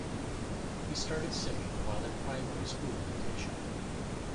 He started singing while in primary school in Taita.